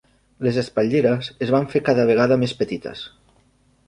Les espatlleres es van fer cada vegada més petites.